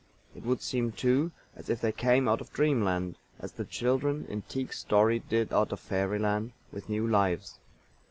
It would seem, too, as if they came out of Dreamland, as the children in TIECK'S story did out of Fairyland, with new lives.